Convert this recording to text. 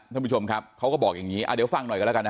ท่านผู้ชมครับเขาก็บอกอย่างนี้เดี๋ยวฟังหน่อยกันแล้วกันนะ